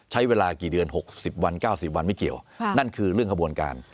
ใช้เวลากี่เดือน๖๐วัน๙๐วันไม่เกี่ยวนั่นคือเรื่องขบวนการ